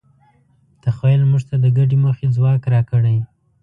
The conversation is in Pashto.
تخیل موږ ته د ګډې موخې ځواک راکړی.